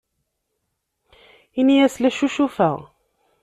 Ini-as la ccucufeɣ.